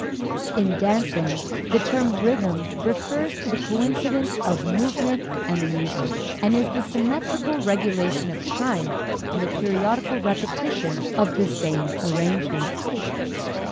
In dancing, the term "rhythm" refers to the coincidence of movement and music, and is the symmetrical regulation of time and the periodical repetition of the same arrangement.